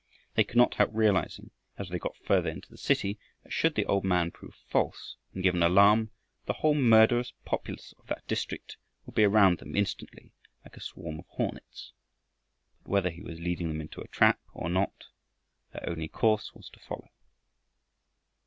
They could not help realizing, as they got farther into the city, that should the old man prove false and give an alarm the whole murderous populace of that district would be around them instantly like a swarm of hornets. But whether he was leading them into a trap or not their only course was to follow.